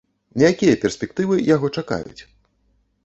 Якія перспектывы яго чакаюць?